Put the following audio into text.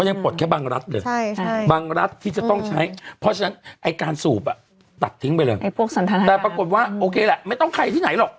ไอ้การสูบอะตัดทิ้งไปเลยแต่ปรากฏว่าโอเคแหละไม่ต้องใครที่ไหนหรอก